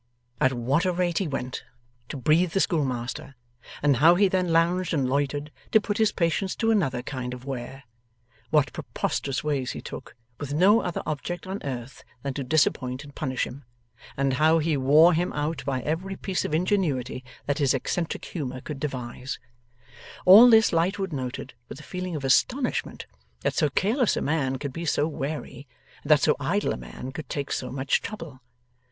At what a rate he went, to breathe the schoolmaster; and how he then lounged and loitered, to put his patience to another kind of wear; what preposterous ways he took, with no other object on earth than to disappoint and punish him; and how he wore him out by every piece of ingenuity that his eccentric humour could devise; all this Lightwood noted, with a feeling of astonishment that so careless a man could be so wary, and that so idle a man could take so much trouble.